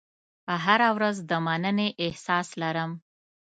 هره ورځ د مننې احساس لرم.